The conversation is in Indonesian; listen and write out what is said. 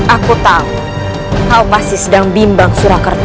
aku tahu kau masih sedang bimbang surakarta